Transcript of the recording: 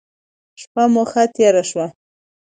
شپه مو ښه تیره شوه.